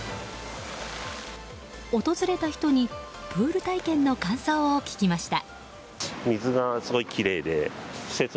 訪れた人にプール体験の感想を聞きました。